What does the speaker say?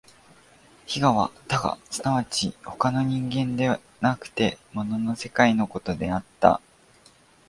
非我は他我即ち他の人間でなくて物の世界のことであった。